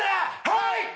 はい！